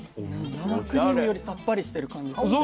生クリームよりさっぱりしてる感じがして。